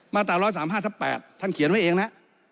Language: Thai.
ตรา๑๓๕ทับ๘ท่านเขียนไว้เองนะ